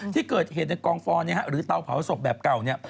ที่เกิดเหตุในกองฟอนหรือเตาเผาศพแบบเก่าเนี่ย